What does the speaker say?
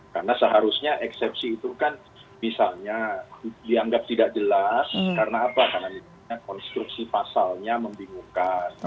karena seharusnya eksepsi itu kan misalnya dianggap tidak jelas karena konstruksi pasalnya membingungkan